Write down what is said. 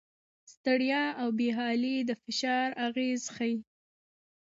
ستړیا او بې حالي د فشار اغېز ښيي.